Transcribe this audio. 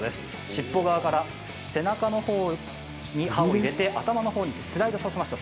尻尾側から背中のほうに刃を入れて頭のほうにスライドさせました。